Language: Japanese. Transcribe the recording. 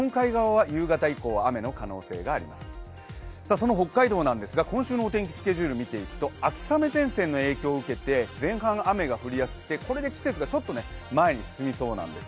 その北海道なんですが今週のお天気スケジュールを見ていくと秋雨前線の影響を受けて前半雨降りやすくてこれで季節がちょっと前に進みそうなんです。